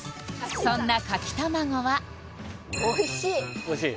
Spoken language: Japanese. そんなかき卵はおいしいおいしい？